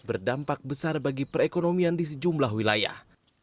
berdampak besar bagi perekonomian di sejumlah wilayah